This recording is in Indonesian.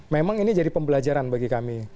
memang ini jadi pembelajaran bagi kami